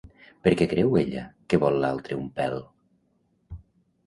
Per què creu ella que vol l'altre un pèl?